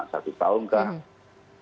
satu tahun kah